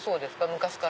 昔から。